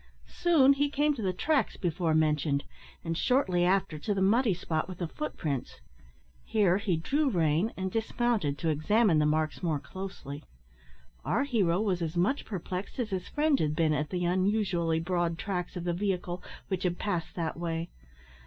Soon he came to the tracks before mentioned, and shortly after to the muddy spot with the footprints. Here he drew rein, and dismounted to examine the marks more closely. Our hero was as much perplexed as his friend had been at the unusually broad tracks of the vehicle which had passed that way.